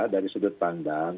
dari sudut pandang